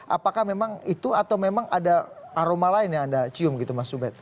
apakah memang itu atau memang ada aroma lain yang anda cium gitu mas ubed